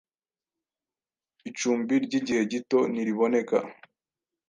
icumbi ry’igihe gito ntiriboneka.